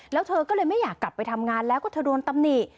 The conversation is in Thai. แล้วเธอก็เลยไม่อยากกลับไปทำงานแล้วก็เธอโดนตำหนิ